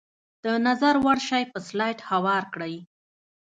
د نظر وړ شی په سلایډ هوار کړئ.